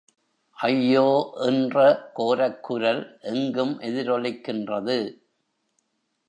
ஐயோ...... ஏன்ற கோரக் குரல் எங்கும் எதிரொலிக்கின்றது.